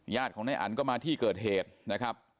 ของนายอันก็มาที่เกิดเหตุนะครับ